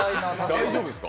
大丈夫ですか？